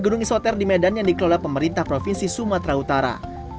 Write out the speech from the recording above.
gedung isoter di medan yang dikelola pemerintah provinsi sumatera utara